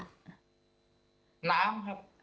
น้ำครับ